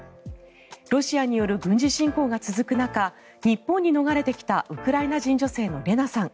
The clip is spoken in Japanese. ロシアによる軍事侵攻が続く中日本に逃れてきたウクライナ人女性のレナさん。